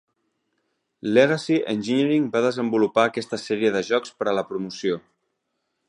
Legacy Engineering va desenvolupar aquesta sèrie de jocs per a la promoció.